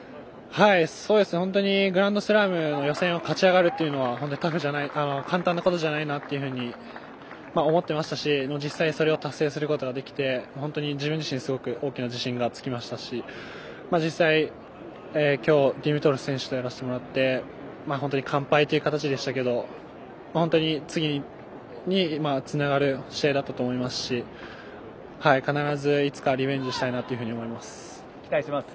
本当にグランドスラムの予選を勝ち上がるというのは簡単なことじゃないなと思ってましたし実際それを達成することができて本当に自分自身すごく大きな自信がつきましたし実際、今日ディミトロフ選手とやらせてもらって本当に完敗という形でしたけど次につながる試合だったと思いますし必ずいつかリベンジしたいと期待しています。